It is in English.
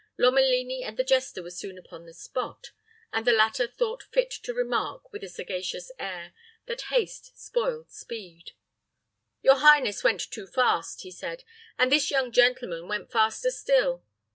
Lomelini and the jester were soon upon the spot; and the latter thought fit to remark, with a sagacious air, that haste spoiled speed. "Your highness went too fast," he said; "and this young gentleman went faster still.